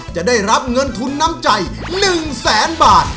จะได้รับเงินทุนน้ำใจ๑แสนบาท